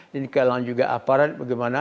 kalangan juga aparat bagaimana